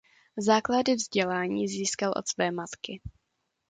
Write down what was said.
Základy vzdělání získal od své matky.